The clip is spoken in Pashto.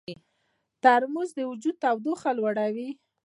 ترموز د وجود تودوخه لوړوي.